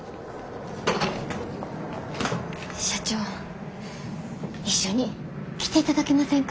社長一緒に来ていただけませんか？